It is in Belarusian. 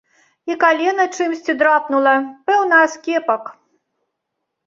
І калена чымсьці драпнула, пэўна аскепак.